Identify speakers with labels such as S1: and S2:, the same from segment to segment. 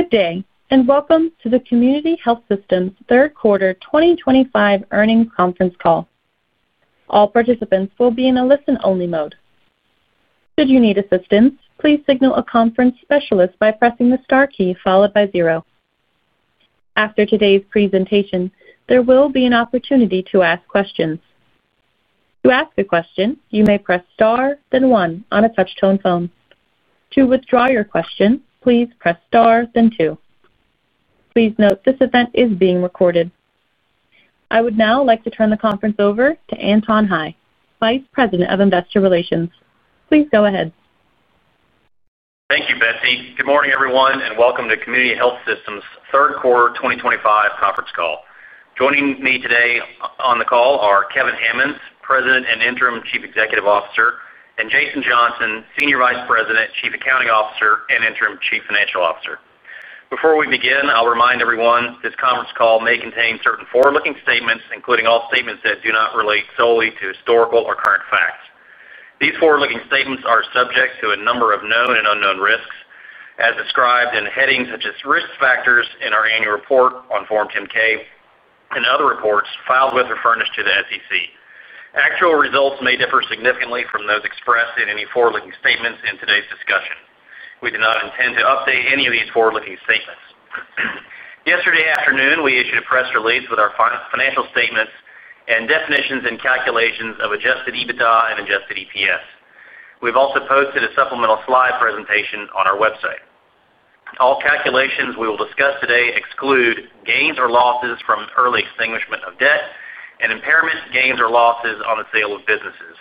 S1: Good day and welcome to the Community Health Systems Third Quarter 2025 Earnings Conference Call. All participants will be in a listen-only mode. Should you need assistance, please signal a conference specialist by pressing the star key followed by zero. After today's presentation, there will be an opportunity to ask questions. To ask a question, you may press star, then one on a touch-tone phone. To withdraw your question, please press star, then two. Please note this event is being recorded. I would now like to turn the conference over to Anton Hie, Vice President of Investor Relations. Please go ahead.
S2: Thank you, Betsy. Good morning, everyone, and welcome to Community Health Systems Third Quarter 2025 Conference Call. Joining me today on the call are Kevin Hammons, President and Interim Chief Executive Officer, and Jason Johnson, Senior Vice President, Chief Accounting Officer, and Interim Chief Financial Officer. Before we begin, I'll remind everyone this conference call may contain certain forward-looking statements, including all statements that do not relate solely to historical or current facts. These forward-looking statements are subject to a number of known and unknown risks, as described in headings such as Risk Factors in our annual report on Form 10-K and other reports filed with or furnished to the SEC. Actual results may differ significantly from those expressed in any forward-looking statements in today's discussion. We do not intend to update any of these forward-looking statements. Yesterday afternoon, we issued a press release with our financial statements and definitions and calculations of adjusted EBITDA and adjusted EPS. We've also posted a supplemental slide presentation on our website. All calculations we will discuss today exclude gains or losses from early extinguishment of debt and impairment gains or losses on the sale of businesses.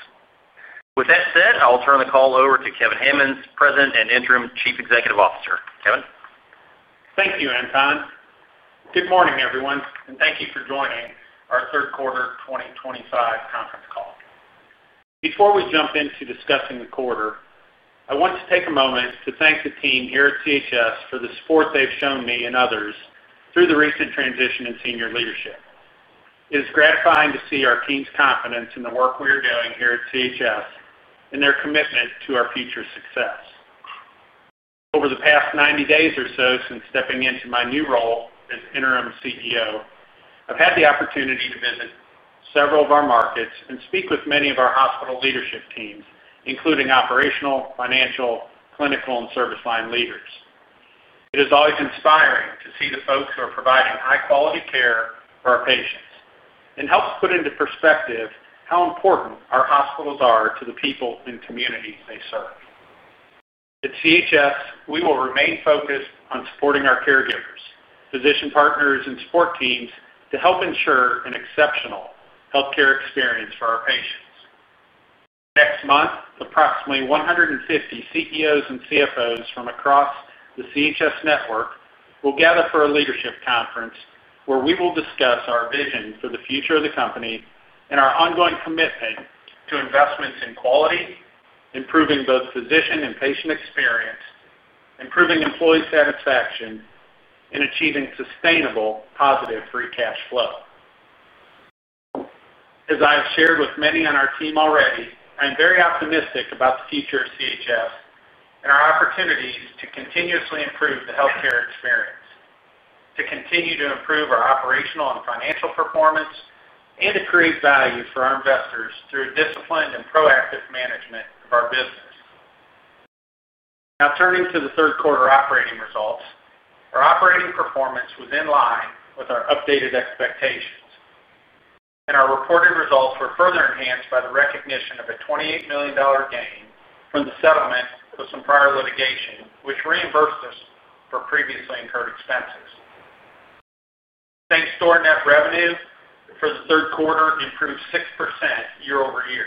S2: With that said, I'll turn the call over to Kevin Hammons, President and Interim Chief Executive Officer. Kevin.
S3: Thank you, Anton. Good morning, everyone, and thank you for joining our Third Quarter 2025 Conference Call. Before we jump into discussing the quarter, I want to take a moment to thank the team here at CHS for the support they've shown me and others through the recent transition in senior leadership. It is gratifying to see our team's confidence in the work we are doing here at CHS and their commitment to our future success. Over the past 90 days or so since stepping into my new role as Interim CEO, I've had the opportunity to visit several of our markets and speak with many of our hospital leadership teams, including operational, financial, clinical, and service line leaders. It is always inspiring to see the folks who are providing high-quality care for our patients and helps put into perspective how important our hospitals are to the people and communities they serve. At CHS, we will remain focused on supporting our caregivers, physician partners, and support teams to help ensure an exceptional healthcare experience for our patients. Next month, approximately 150 CEOs and CFOs from across the CHS network will gather for a leadership conference where we will discuss our vision for the future of the company and our ongoing commitment to investments in quality, improving both physician and patient experience, improving employee satisfaction, and achieving sustainable, positive free cash flow. As I have shared with many on our team already, I am very optimistic about the future of CHS and our opportunities to continuously improve the healthcare experience, to continue to improve our operational and financial performance, and to create value for our investors through disciplined and proactive management of our business. Now, turning to the third quarter operating results, our operating performance was in line with our updated expectations, and our reported results were further enhanced by the recognition of a $28 million gain from the settlement of some prior litigation, which reimbursed us for previously incurred expenses. Thanks to our net revenue for the third quarter, it improved 6% year-over-year.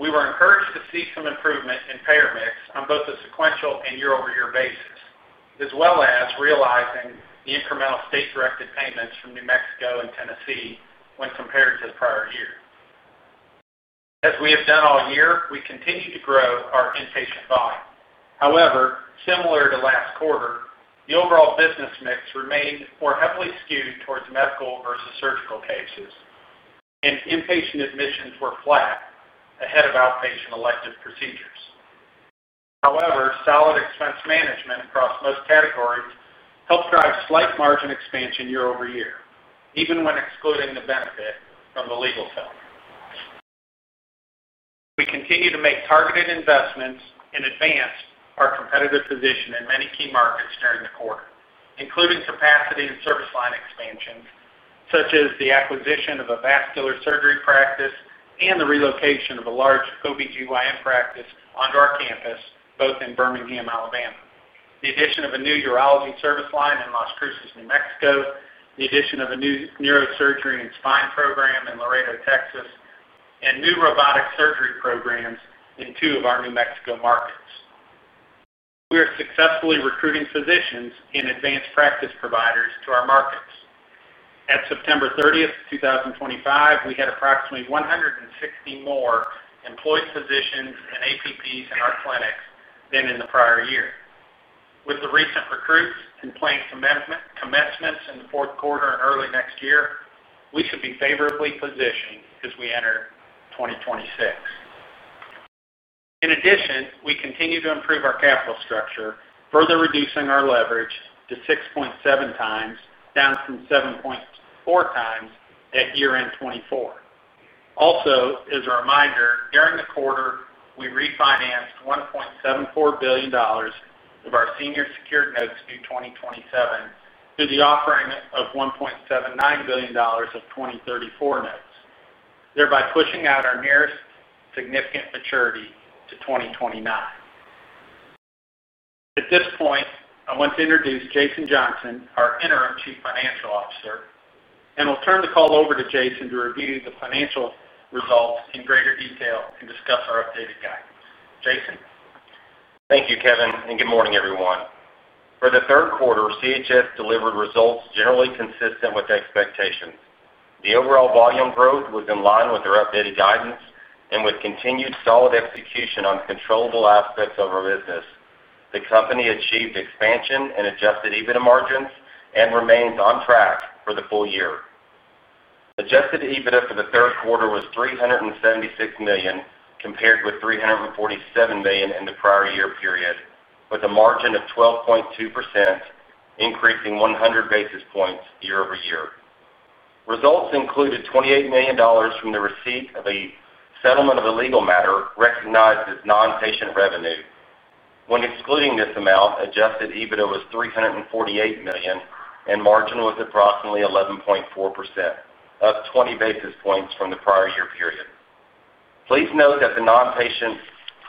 S3: We were encouraged to see some improvement in payer mix on both a sequential and year-over-year basis, as well as realizing the incremental state-directed payments from New Mexico and Tennessee when compared to the prior year. As we have done all year, we continue to grow our inpatient volume. However, similar to last quarter, the overall business mix remained more heavily skewed towards medical versus surgical cases, and inpatient admissions were flat ahead of outpatient elective procedures. However, solid expense management across most categories helped drive slight margin expansion year-over-year, even when excluding the benefit from the legal settlement. We continue to make targeted investments and advance our competitive position in many key markets during the quarter, including capacity and service line expansions, such as the acquisition of a vascular surgery practice and the relocation of a large OB-GYN practice onto our campus, both in Birmingham, Alabama, the addition of a new urology service line in Las Cruces, New Mexico, the addition of a new neurosurgery and spine program in Laredo, Texas, and new robotic surgery programs in two of our New Mexico markets. We are successfully recruiting physicians and advanced practice providers to our markets. At September 30th, 2025, we had approximately 160 more employed physicians and APPs in our clinics than in the prior year. With the recent recruits and planned commencements in the fourth quarter and early next year, we should be favorably positioned as we enter 2026. In addition, we continue to improve our capital structure, further reducing our leverage to 6.7 times, down from 7.4x at year-end 2024. Also, as a reminder, during the quarter, we refinanced $1.74 billion of our senior secured notes through 2027 through the offering of $1.79 billion of 2034 notes, thereby pushing out our nearest significant maturity to 2029. At this point, I want to introduce Jason Johnson, our Interim Chief Financial Officer, and we'll turn the call over to Jason to review the financial results in greater detail and discuss our updated guidance. Jason.
S4: Thank you, Kevin, and good morning, everyone. For the third quarter, CHS delivered results generally consistent with expectations. The overall volume growth was in line with our updated guidance and with continued solid execution on the controllable aspects of our business. The company achieved expansion in adjusted EBITDA margins and remains on track for the full year. Adjusted EBITDA for the third quarter was $376 million, compared with $347 million in the prior year period, with a margin of 12.2%, increasing 100 basis points year-over-year. Results included $28 million from the receipt of a settlement of a legal matter recognized as non-patient revenue. When excluding this amount, adjusted EBITDA was $348 million and margin was approximately 11.4%, up 20 basis points from the prior year period. Please note that the non-patient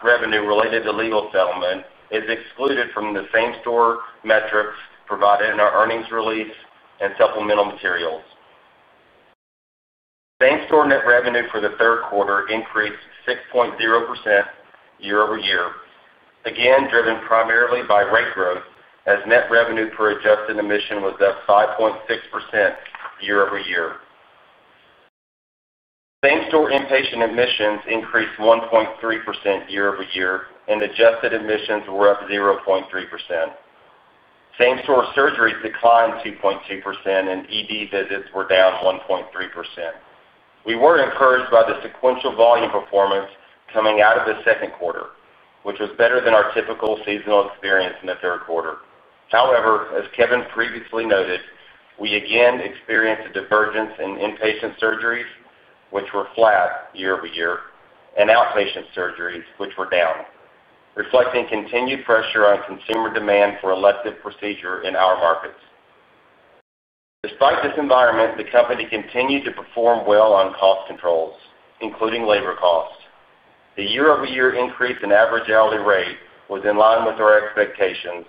S4: revenue related to legal settlement is excluded from the same-store metrics provided in our earnings release and supplemental materials. Same-store net revenue for the third quarter increased 6.0% year-over-year, again driven primarily by rate growth, as net revenue per adjusted admission was up 5.6% year-over-year. Same-store inpatient admissions increased 1.3% year-over-year, and adjusted admissions were up 0.3%. Same-store surgeries declined 2.2%, and ED visits were down 1.3%. We were encouraged by the sequential volume performance coming out of the second quarter, which was better than our typical seasonal experience in the third quarter. However, as Kevin previously noted, we again experienced a divergence in inpatient surgeries, which were flat year-over-year, and outpatient surgeries, which were down, reflecting continued pressure on consumer demand for elective procedure in our markets. Despite this environment, the company continued to perform well on cost controls, including labor costs. The year-over-year increase in average hourly rate was in line with our expectations,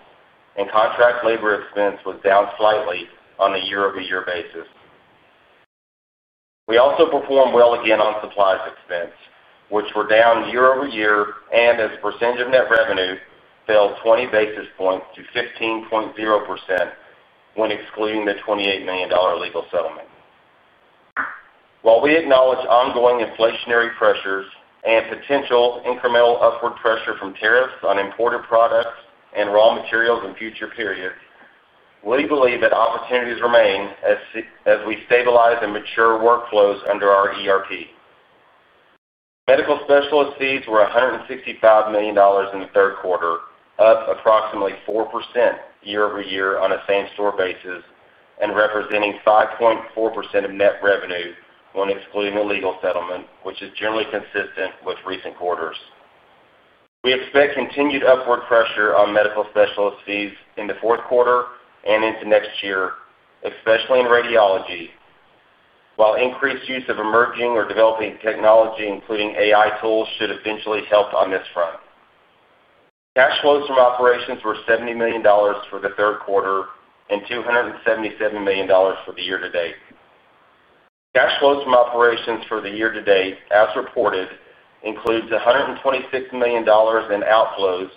S4: and contract labor expense was down slightly on a year-over-year basis. We also performed well again on supplies expense, which were down year-over-year, and as a percentage of net revenue fell 20 basis points to 15.0% when excluding the $28 million legal settlement. While we acknowledge ongoing inflationary pressures and potential incremental upward pressure from tariffs on imported products and raw materials in future periods, we believe that opportunities remain as we stabilize and mature workflows under our ERP. Medical specialist fees were $165 million in the third quarter, up approximately 4% year-over-year on a same-store basis and representing 5.4% of net revenue when excluding the legal settlement, which is generally consistent with recent quarters. We expect continued upward pressure on medical specialist fees in the fourth quarter and into next year, especially in radiology, while increased use of emerging or developing technology, including AI tools, should eventually help on this front. Cash flows from operations were $70 million for the third quarter and $277 million for the year-to-date. Cash flows from operations for the year-to-date, as reported, include $126 million in outflows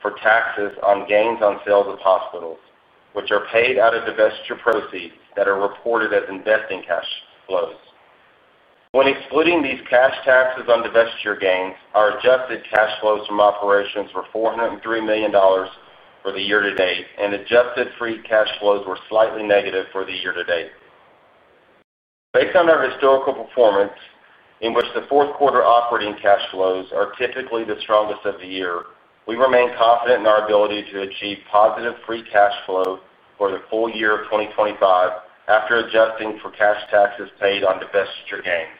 S4: for taxes on gains on sales of hospitals, which are paid out of divestiture proceeds that are reported as investing cash flows. When excluding these cash taxes on divestiture gains, our adjusted cash flows from operations were $403 million for the year-to-date, and adjusted free cash flows were slightly negative for the year-to-date. Based on our historical performance, in which the fourth quarter operating cash flows are typically the strongest of the year, we remain confident in our ability to achieve positive free cash flow for the full year of 2025 after adjusting for cash taxes paid on divestiture gains.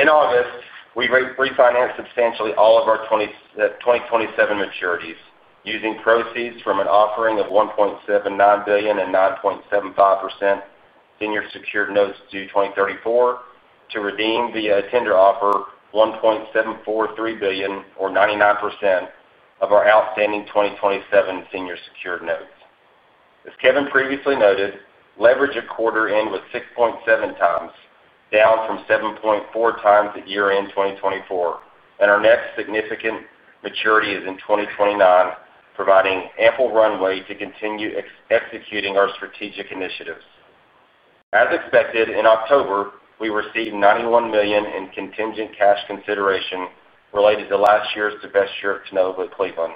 S4: In August, we refinanced substantially all of our 2027 maturities using proceeds from an offering of $1.79 billion and 9.75% senior secured notes due 2034 to redeem via a tender offer $1.743 billion, or 99% of our outstanding 2027 senior secured notes. As Kevin previously noted, leverage at quarter end was 6.7 times, down from 7.4x at year-end 2024, and our next significant maturity is in 2029, providing ample runway to continue executing our strategic initiatives. As expected, in October, we received $91 million in contingent cash consideration related to last year's divestiture of Tinoba Cleveland.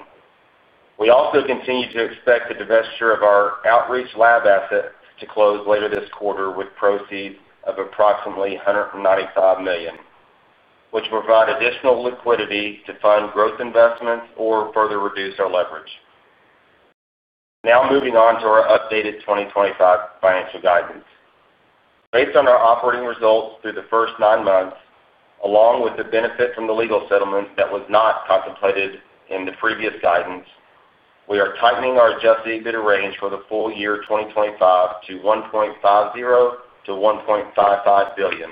S4: We also continue to expect the divestiture of our outreach lab assets to close later this quarter with proceeds of approximately $195 million, which will provide additional liquidity to fund growth investments or further reduce our leverage. Now, moving on to our updated 2025 financial guidance. Based on our operating results through the first nine months, along with the benefit from the legal settlement that was not contemplated in the previous guidance, we are tightening our adjusted EBITDA range for the full year 2025 to $1.50 billion-$1.55 billion.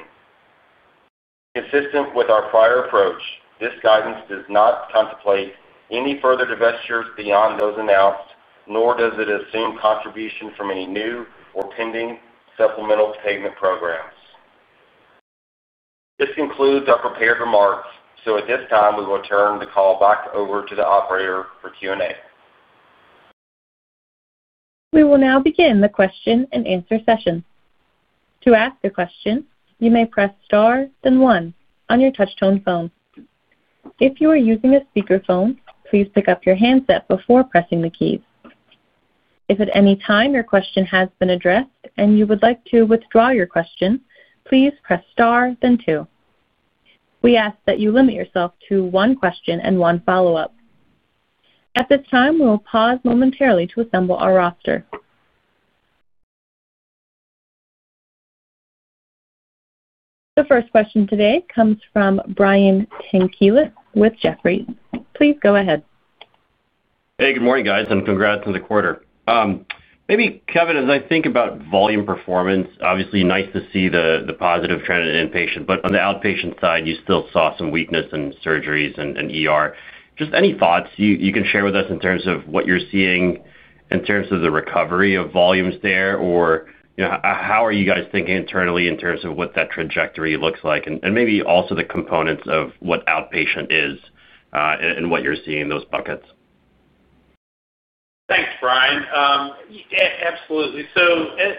S4: Consistent with our prior approach, this guidance does not contemplate any further divestitures beyond those announced, nor does it assume contribution from any new or pending supplemental payment programs. This concludes our prepared remarks. At this time, we will turn the call back over to the operator for Q&A.
S1: We will now begin the question and answer session. To ask a question, you may press star, then one on your touch-tone phone. If you are using a speakerphone, please pick up your handset before pressing the keys. If at any time your question has been addressed and you would like to withdraw your question, please press star, then two. We ask that you limit yourself to one question and one follow-up. At this time, we will pause momentarily to assemble our roster. The first question today comes from Brian Tanquilut with Jefferies. Please go ahead.
S5: Hey, good morning, guys, and congrats on the quarter. Maybe, Kevin, as I think about volume performance, obviously nice to see the positive trend in inpatient, but on the outpatient side, you still saw some weakness in surgeries. Any thoughts you can share with us in terms of what you're seeing, in terms of the recovery of volumes there, or how are you guys thinking internally in terms of what that trajectory looks like, and maybe also the components of what outpatient is and what you're seeing in those buckets?
S3: Thanks, Brian. Absolutely.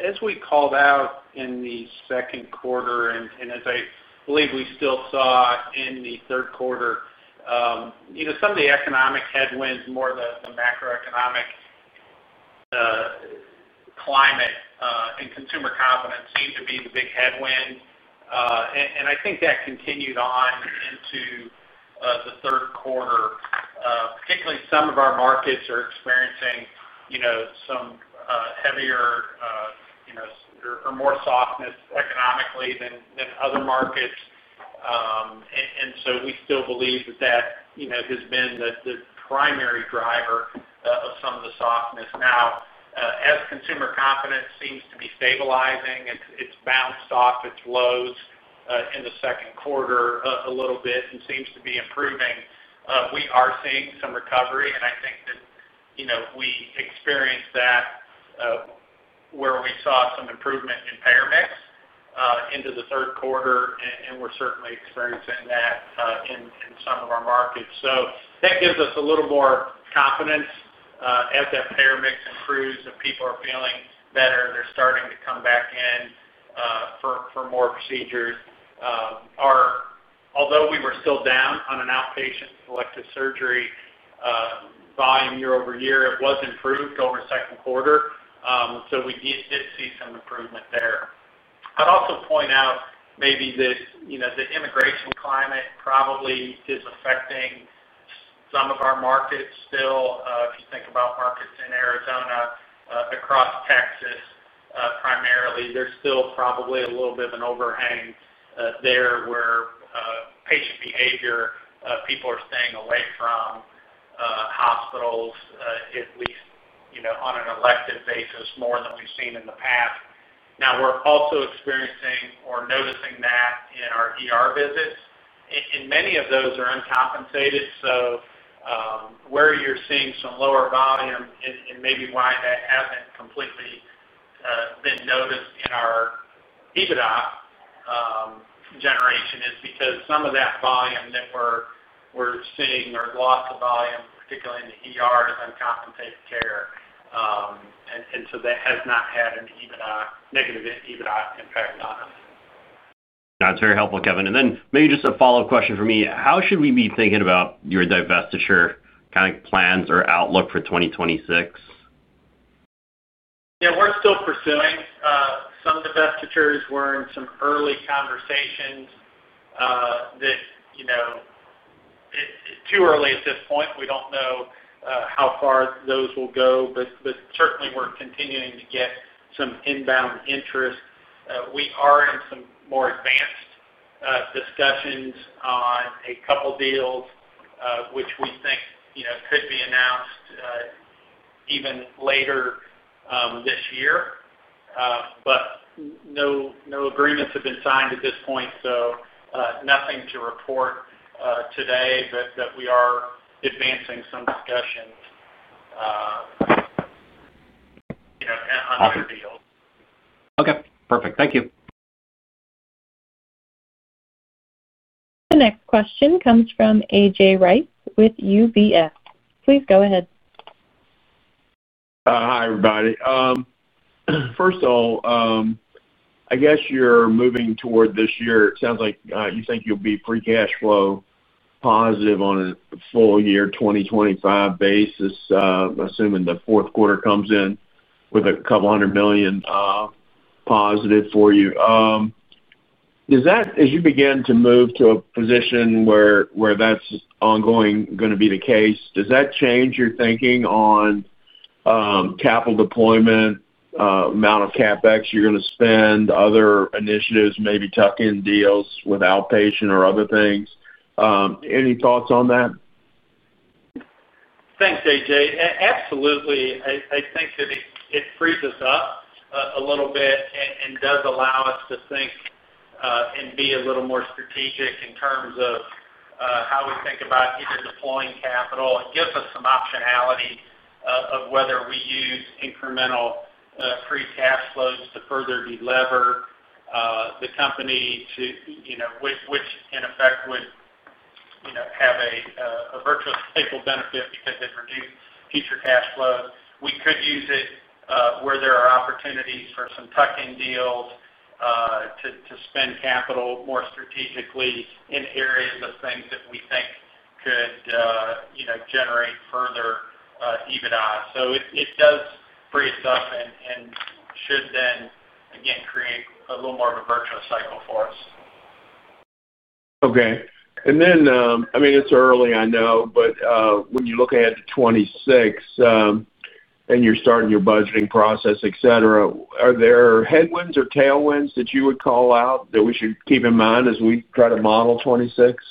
S3: As we called out in the second quarter, and as I believe we still saw in the third quarter, some of the economic headwinds, more of the macroeconomic climate and consumer confidence, seemed to be the big headwind. I think that continued on into the third quarter. Particularly, some of our markets are experiencing some heavier or more softness economically than other markets. We still believe that has been the primary driver of some of the softness. Now, as consumer confidence seems to be stabilizing, it's bounced off its lows in the second quarter a little bit and seems to be improving, we are seeing some recovery. I think that we experienced that where we saw some improvement in payer mix into the third quarter, and we're certainly experiencing that in some of our markets. That gives us a little more confidence as that payer mix improves and people are feeling better. They're starting to come back in for more procedures. Although we were still down on an outpatient elective surgery volume year-over-year, it was improved over the second quarter. We did see some improvement there. I'd also point out maybe this, the immigration climate probably is affecting some of our markets still. If you think about markets in Arizona, across Texas, primarily, there's still probably a little bit of an overhang there where patient behavior, people are staying away from hospitals, at least on an elective basis, more than we've seen in the past. We are also experiencing or noticing that in our visits, and many of those are uncompensated. Where you're seeing some lower volume and maybe why that hasn't completely been noticed in our EBITDA generation is because some of that volume that we're seeing, or lots of volume, particularly, is uncompensated care. That has not had a negative EBITDA impact on us.
S5: That's very helpful, Kevin. Maybe just a follow-up question for me. How should we be thinking about your divestiture kind of plans or outlook for 2026?
S3: Yeah, we're still pursuing some divestitures. We're in some early conversations that are too early at this point. We don't know how far those will go, but certainly, we're continuing to get some inbound interest. We are in some more advanced discussions on a couple of deals, which we think could be announced even later this year. No agreements have been signed at this point, so nothing to report today, but we are advancing some discussions on other deals.
S5: Okay. Perfect. Thank you.
S1: The next question comes from A.J. Rice with UBS. Please go ahead.
S6: Hi, everybody. First of all, I guess you're moving toward this year. It sounds like you think you'll be free cash flow positive on a full year 2025 basis, assuming the fourth quarter comes in with a couple hundred million positive for you. Is that as you begin to move to a position where that's ongoing going to be the case? Does that change your thinking on capital deployment, amount of CapEx you're going to spend, other initiatives, maybe tuck in deals with outpatient or other things? Any thoughts on that?
S3: Thanks, A.J. Absolutely. I think that it frees us up a little bit and does allow us to think and be a little more strategic in terms of how we think about either deploying capital. It gives us some optionality of whether we use incremental free cash flows to further delever the company, which in effect would have a virtuous staple benefit because it reduced future cash flows. We could use it where there are opportunities for some tuck-in deals to spend capital more strategically in areas of things that we think could generate further EBITDA. It does free us up and should then, again, create a little more of a virtuous cycle for us.
S6: Okay. It's early, I know, but when you look ahead to 2026 and you're starting your budgeting process, etc., are there headwinds or tailwinds that you would call out that we should keep in mind as we try to model 2026?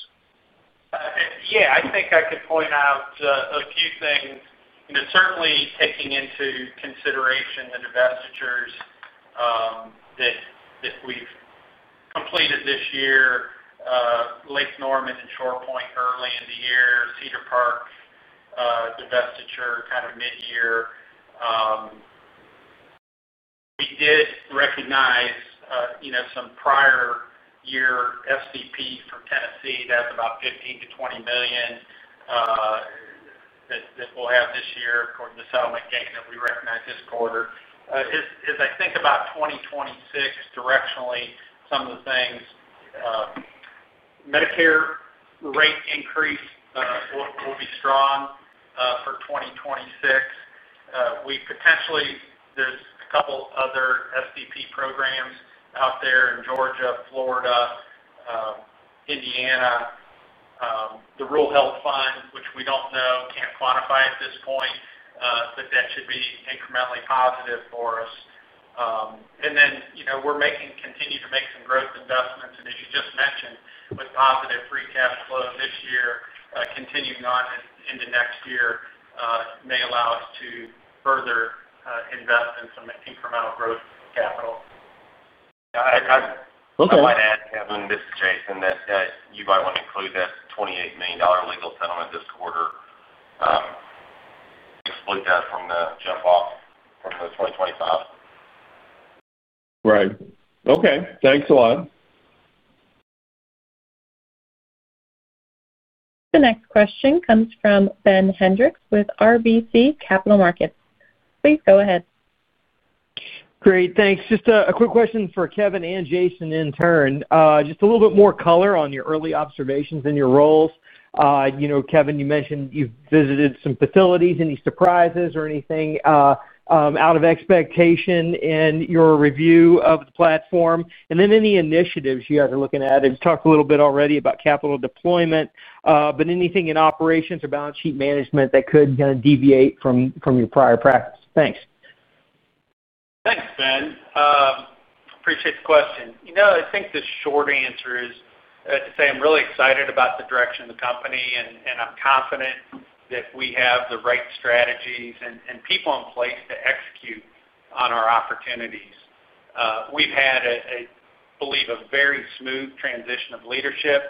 S3: Yeah, I think I could point out a few things. Certainly, taking into consideration the divestitures that we've completed this year, Lake Norman and ShorePoint early in the year, Cedar Park divestiture kind of mid-year. We did recognize some prior year SDP from Tennessee that has about $15 million-$20 million that we'll have this year, according to the settlement gain that we recognize this quarter. As I think about 2026 directionally, some of the things, Medicare rate increase will be strong for 2026. We potentially, there's a couple other state-directed payment programs out there in Georgia, Florida, Indiana, the rule held fine, which we don't know, can't quantify at this point, but that should be incrementally positive for us. We're making, continue to make some growth investments. As you just mentioned, with positive free cash flow this year, continuing on into next year may allow us to further invest in some incremental growth capital.
S4: I'd like to add, Kevin, this is Jason, that you might want to include that $28 million legal settlement this quarter. Exclude that from the jump-off from 2025.
S6: Right. Okay, thanks a lot.
S1: The next question comes from Ben Hendrix with RBC Capital Markets. Please go ahead.
S7: Great. Thanks. Just a quick question for Kevin and Jason in turn. Just a little bit more color on your early observations in your roles. Kevin, you mentioned you've visited some facilities. Any surprises or anything out of expectation in your review of the platform? Any initiatives you guys are looking at? We talked a little bit already about capital deployment, but anything in operations or balance sheet management that could kind of deviate from your prior practice? Thanks.
S3: Thanks, Ben. Appreciate the question. I think the short answer is to say I'm really excited about the direction of the company, and I'm confident that we have the right strategies and people in place to execute on our opportunities. We've had, I believe, a very smooth transition of leadership,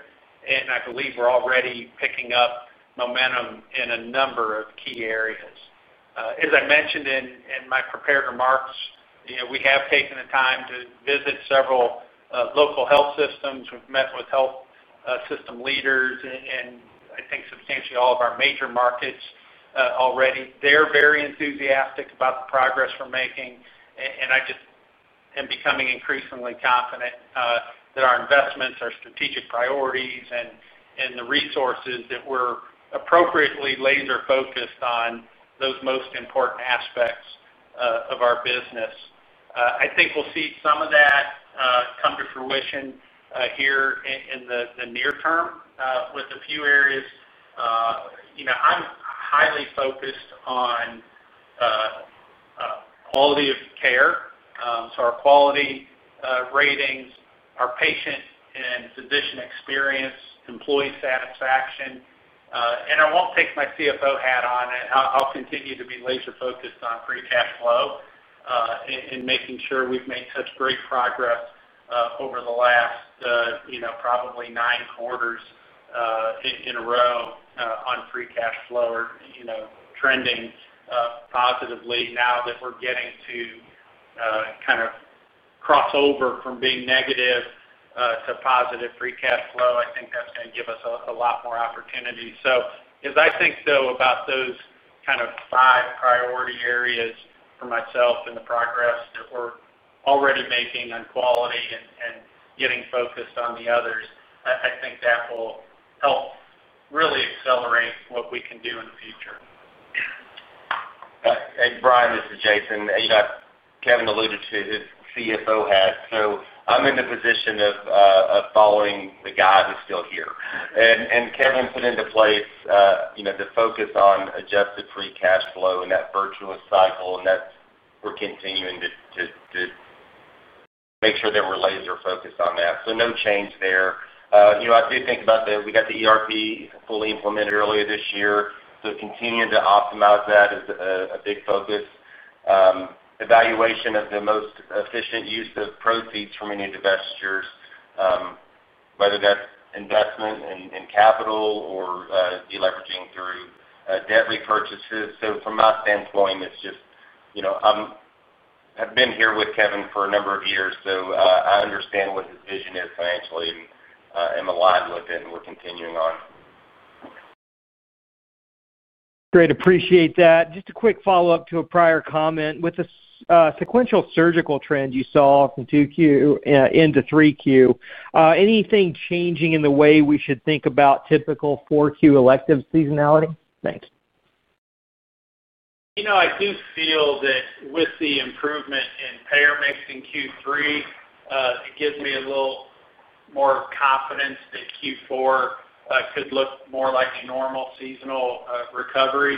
S3: and I believe we're already picking up momentum in a number of key areas. As I mentioned in my prepared remarks, we have taken the time to visit several local health systems. We've met with health system leaders in, I think, substantially all of our major markets already. They're very enthusiastic about the progress we're making, and I just am becoming increasingly confident that our investments, our strategic priorities, and the resources that we're appropriately laser-focused on those most important aspects of our business. I think we'll see some of that come to fruition here in the near term with a few areas. I'm highly focused on quality of care, our quality ratings, our patient and physician experience, employee satisfaction. I won't take my CFO hat on, and I'll continue to be laser-focused on free cash flow and making sure we've made such great progress over the last, you know, probably nine quarters in a row on free cash flow or, you know, trending positively. Now that we're getting to kind of cross over from being negative to positive free cash flow, I think that's going to give us a lot more opportunity. As I think though about those kind of five priority areas for myself and the progress that we're already making on quality and getting focused on the others, I think that will help really accelerate what we can do in the future.
S4: Brian, this is Jason. Kevin alluded to his CFO hat. I'm in the position of following the guy who's still here. Kevin put into place the focus on adjusted free cash flow and that virtuous cycle, and we're continuing to make sure that we're laser-focused on that. No change there. I do think about that we got the ERP fully implemented earlier this year. Continuing to optimize that is a big focus. Evaluation of the most efficient use of proceeds from any divestitures, whether that's investment in capital or deleveraging through debt repurchases. From my standpoint, I've been here with Kevin for a number of years, so I understand what his vision is financially and am aligned with it, and we're continuing on.
S7: Great. Appreciate that. Just a quick follow-up to a prior comment. With the sequential surgical trend you saw from 2Q into 3Q, anything changing in the way we should think about typical 4Q elective seasonality? Thanks.
S3: I do feel that with the improvement in payer mix in Q3, it gives me a little more confidence that Q4 could look more like a normal seasonal recovery.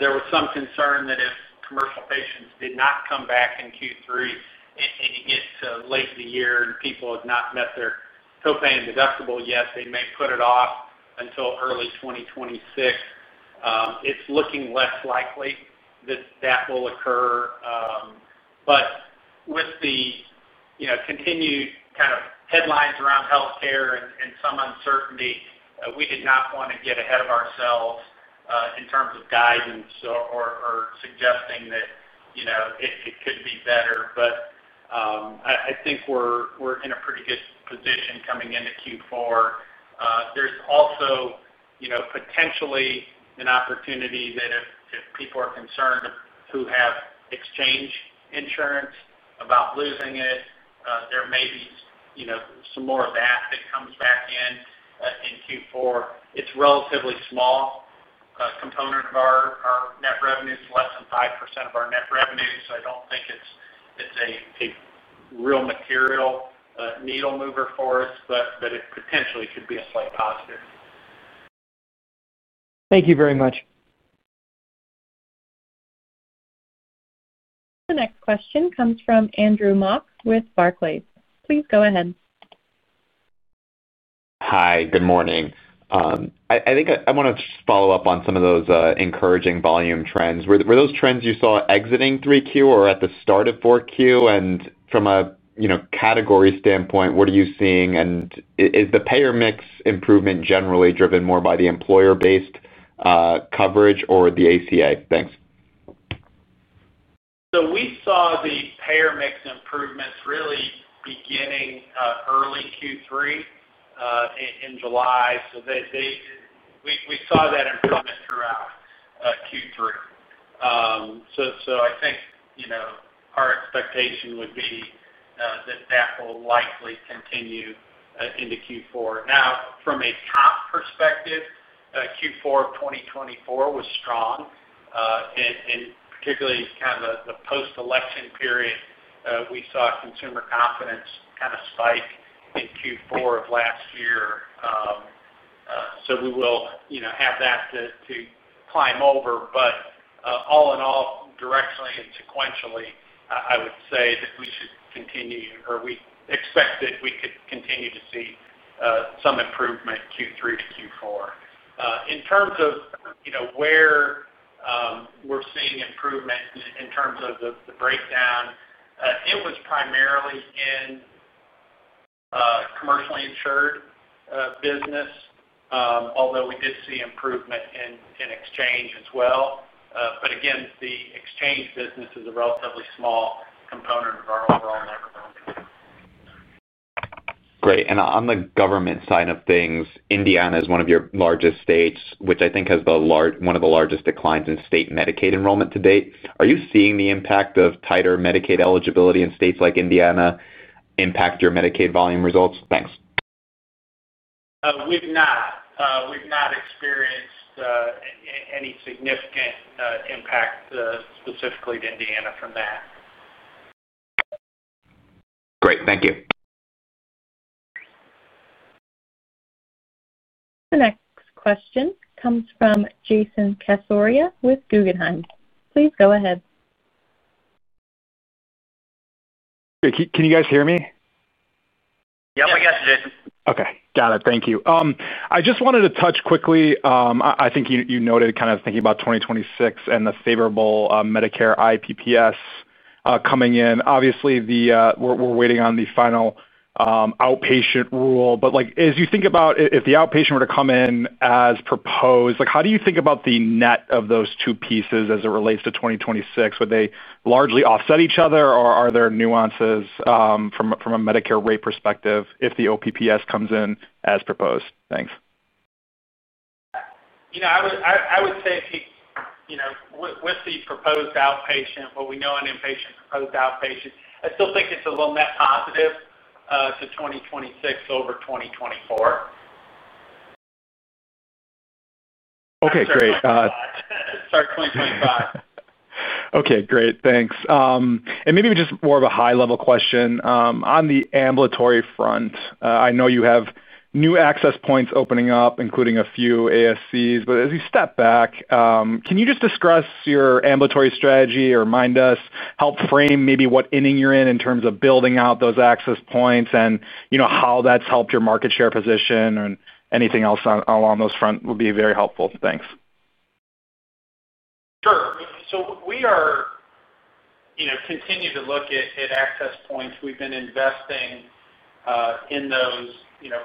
S3: There was some concern that if commercial patients did not come back in Q3 and you get to late in the year and people have not met their copay and deductible yet, they may put it off until early 2026. It's looking less likely that that will occur. With the continued kind of headlines around healthcare and some uncertainty, we did not want to get ahead of ourselves in terms of guidance or suggesting that it could be better. I think we're in a pretty good position coming into Q4. There's also potentially an opportunity that if people who have exchange insurance are concerned about losing it, there may be some more of that that comes back in in Q4. It's a relatively small component of our net revenue. It's less than 5% of our net revenue, so I don't think it's a real material needle mover for us, but it potentially could be a slight positive.
S7: Thank you very much.
S1: The next question comes from Andrew Mok with Barclays. Please go ahead.
S8: Hi, good morning. I think I want to just follow up on some of those encouraging volume trends. Were those trends you saw exiting 3Q or at the start of 4Q? From a category standpoint, what are you seeing? Is the payer mix improvement generally driven more by the employer-based coverage or the ACA? Thanks.
S3: We saw the payer mix improvements really beginning early Q3 in July. We saw that improvement throughout Q3. I think our expectation would be that that will likely continue into Q4. Now, from a top perspective, Q4 of 2024 was strong. Particularly, in the post-election period, we saw consumer confidence spike in Q4 of last year. We will have that to climb over. All in all, directionally and sequentially, I would say that we should continue, or we expect that we could continue to see some improvement Q3 to Q4. In terms of where we're seeing improvement in terms of the breakdown, it was primarily in commercially insured business, although we did see improvement in exchange as well. Again, the exchange business is a relatively small component of our overall net revenue.
S8: Great. On the government side of things, Indiana is one of your largest states, which I think has one of the largest declines in state Medicaid enrollment to date. Are you seeing the impact of tighter Medicaid eligibility in states like Indiana impact your Medicaid volume results? Thanks.
S3: We've not experienced any significant impact specifically to Indiana from that.
S8: Great. Thank you.
S1: The next question comes from Jason Cassorla with Guggenheim. Please go ahead.
S9: Okay, can you guys hear me?
S3: Yep, I got you, Jason.
S9: Okay. Got it. Thank you. I just wanted to touch quickly, I think you noted kind of thinking about 2026 and the favorable Medicare IPPS coming in. Obviously, we're waiting on the final outpatient rule. As you think about if the outpatient were to come in as proposed, how do you think about the net of those two pieces as it relates to 2026? Would they largely offset each other, or are there nuances from a Medicare rate perspective if the OPPS comes in as proposed? Thanks.
S3: You know. I would say if you know, with the proposed outpatient, what we know on inpatient proposed outpatient, I still think it's a little net positive to 2026 over 2024.
S9: Okay, great.
S3: Sorry, 2025.
S9: Okay, great. Thanks. Maybe just more of a high-level question. On the ambulatory front, I know you have new access points opening up, including a few ambulatory surgery centers. As you step back, can you just discuss your ambulatory strategy or remind us, help frame maybe what inning you're in in terms of building out those access points and how that's helped your market share position and anything else along those fronts would be very helpful. Thanks.
S3: Sure. We continue to look at access points. We've been investing in those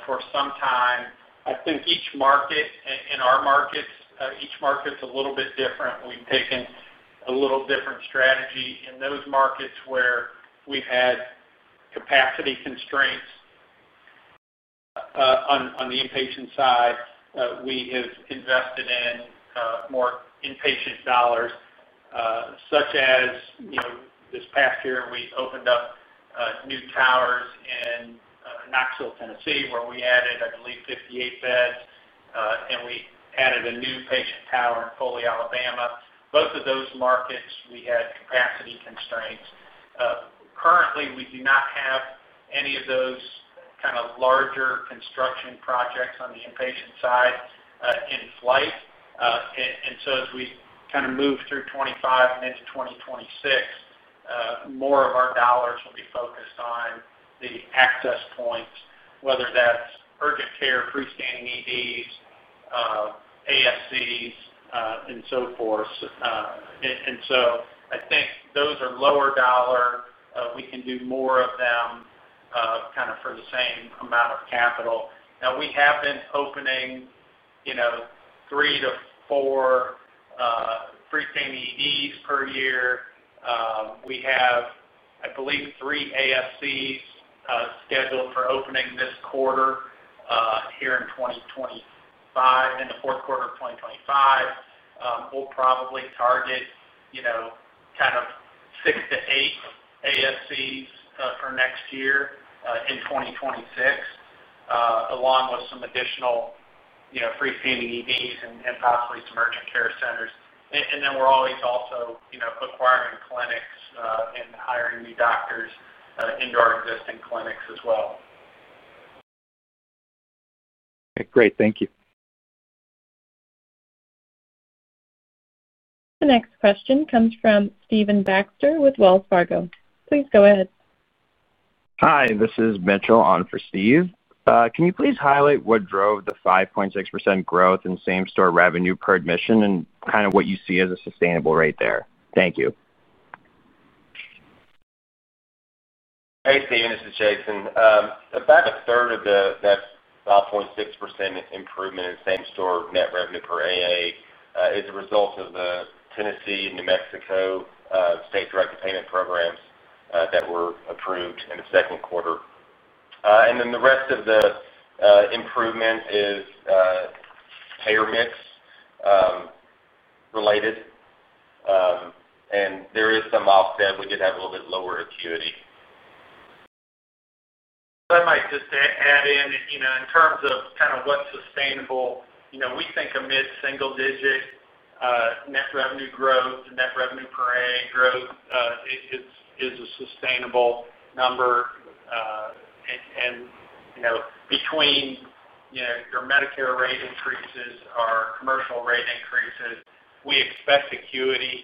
S3: for some time. I think each market in our markets, each market's a little bit different. We've taken a little different strategy in those markets where we've had capacity constraints on the inpatient side. We have invested in more inpatient dollars, such as this past year, we opened up new towers in Knoxville, Tennessee, where we added, I believe, 58 beds, and we added a new patient tower in Foley, Alabama. Both of those markets, we had capacity constraints. Currently, we do not have any of those kind of larger construction projects on the inpatient side in flight. As we move through 2025 and into 2026, more of our dollars will be focused on the access points, whether that's urgent care, freestanding emergency departments, ambulatory surgery centers, and so forth. I think those are lower dollar. We can do more of them for the same amount of capital. We have been opening three to four freestanding emergency departments per year. We have, I believe, three ambulatory surgery centers scheduled for opening this quarter here in 2025, in the fourth quarter of 2025. We'll probably target six to eight ambulatory surgery centers for next year in 2026, along with some additional freestanding emergency departments and possibly some urgent care centers. We're always also acquiring clinics and hiring new doctors into our existing clinics as well.
S9: Okay, great. Thank you.
S1: The next question comes from Stephen Baxter with Wells Fargo. Please go ahead.
S10: Hi, this is Mitchell on for Steve. Can you please highlight what drove the 5.6% growth in same-store revenue per admission and kind of what you see as a sustainable rate there? Thank you.
S4: Hey, Steven. This is Jason. About a third of that 5.6% improvement in same-store net revenue per AA is a result of the Tennessee and New Mexico state-directed payment programs that were approved in the second quarter. The rest of the improvement is payer mix related, and there is some offset. We did have a little bit lower acuity.
S3: I might just add, in terms of what's sustainable, we think a mid-single-digit net revenue growth, net revenue per adjusted admission growth is a sustainable number. You know, between your Medicare rate increases, our commercial rate increases, we expect acuity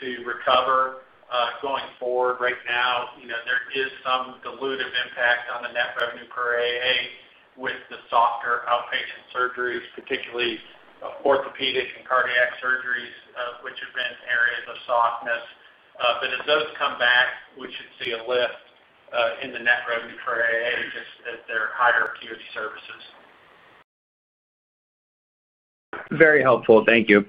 S3: to recover going forward. Right now, there is some dilutive impact on the net revenue per adjusted admission with the softer outpatient surgeries, particularly orthopedic and cardiac surgeries, which have been areas of softness. As those come back, we should see a lift in the net revenue per adjusted admission just at their higher acuity services.
S10: Very helpful. Thank you.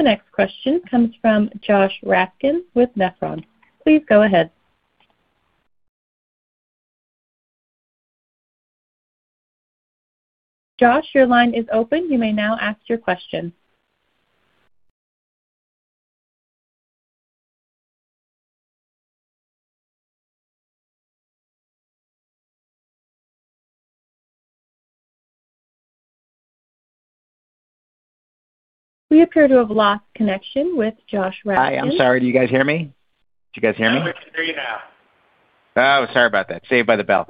S1: The next question comes from Joshua Richard Raskin with Nephron Research LLC. Please go ahead. Josh, your line is open. You may now ask your question. We appear to have lost connection with Josh.
S11: I'm sorry. Do you guys hear me? Do you guys hear me?
S3: Yes, we can hear you now.
S11: Sorry about that. Saved by the bell.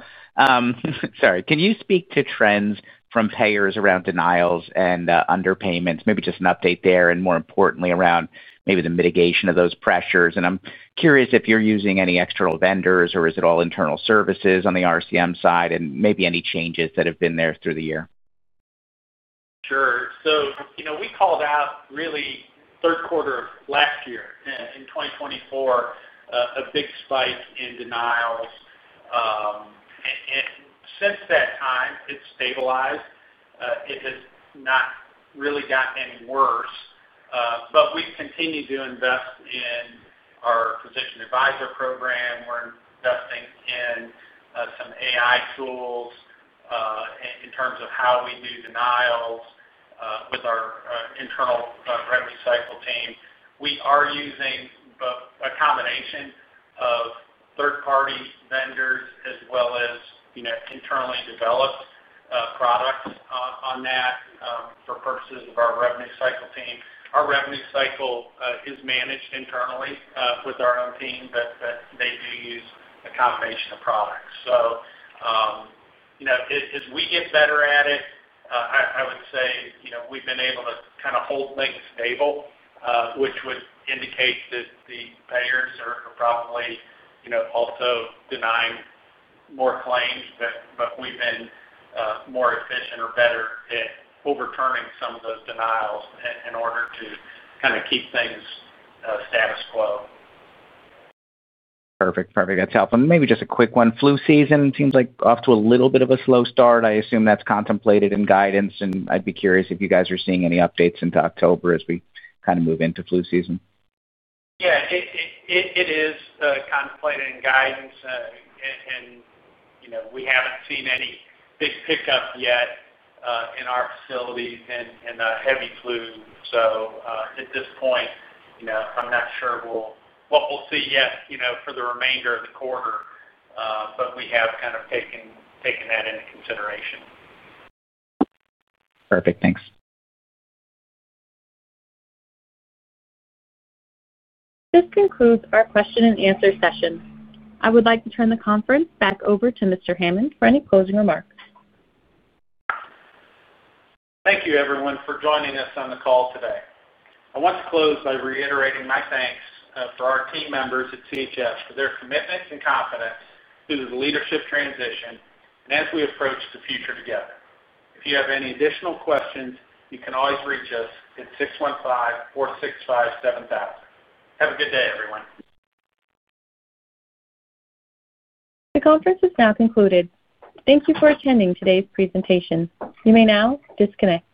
S11: Sorry. Can you speak to trends from payers around denials and underpayments? Maybe just an update there, and more importantly around maybe the mitigation of those pressures. I'm curious if you're using any external vendors or is it all internal services on the RCM side, and maybe any changes that have been there through the year?
S3: Sure. We called out really third quarter of last year in 2024, a big spike in denials. Since that time, it's stabilized. It has not really gotten any worse. We've continued to invest in our physician advisor program. We're investing in some AI tools in terms of how we do denials with our internal revenue cycle team. We are using both a combination of third-party vendors as well as internally developed products on that for purposes of our revenue cycle team. Our revenue cycle is managed internally with our own team, but they do use a combination of products. As we get better at it, I would say we've been able to kind of hold things stable, which would indicate that the payers are probably also denying more claims. We've been more efficient or better at overturning some of those denials in order to kind of keep things status quo.
S11: Perfect. That's helpful. Maybe just a quick one. Flu season seems like off to a little bit of a slow start. I assume that's contemplated in guidance, and I'd be curious if you guys are seeing any updates into October as we kind of move into flu season.
S3: Yeah, it is contemplated in guidance, and you know we haven't seen any big pickup yet in our facilities in the heavy flu. At this point, you know I'm not sure what we'll see yet, you know, for the remainder of the quarter, but we have kind of taken that into consideration.
S11: Perfect. Thanks.
S1: This concludes our question and answer session. I would like to turn the conference back over to Mr. Hammons for any closing remarks.
S3: Thank you, everyone, for joining us on the call today. I want to close by reiterating my thanks for our team members at CHS for their commitment and confidence through the leadership transition and as we approach the future together. If you have any additional questions, you can always reach us at 615-465-7000. Have a good day, everyone.
S1: The conference is now concluded. Thank you for attending today's presentation. You may now disconnect.